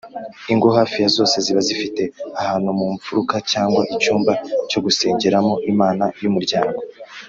ingo hafi ya zose ziba zifite ahantu mu mfuruka cyangwa icyumba cyo gusengeramo imana y’umuryango